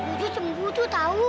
gio gio cemburu tuh tau